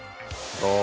どう？